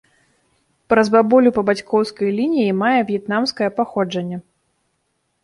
Праз бабулю па бацькоўскай лініі мае в'етнамскае паходжанне.